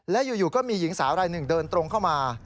และอยู่ก็มีหญิงสาวรายหนึ่งเดินตรงเข้ามา